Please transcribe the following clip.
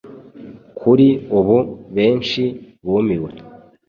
Kuri ubu benshi bumiwe